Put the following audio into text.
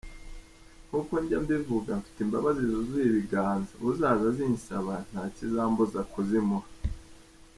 Nkuko njya mbivuga, mfite imbabazi zuzuye ibiganza, uzaza azinsaba ntakizambuza kuzimuha.